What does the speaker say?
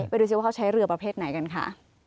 ดูสิว่าเขาใช้เรือประเภทไหนกันค่ะ